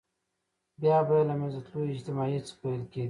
بيا به يې د له منځه تلو اجتماعي هڅې پيل کېدې.